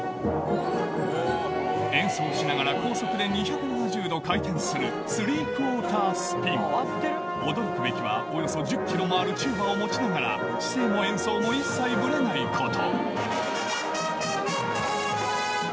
演奏しながら高速で２７０度回転する驚くべきはおよそ １０ｋｇ もあるチューバを持ちながら姿勢も演奏も一切ブレないこと